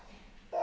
あ。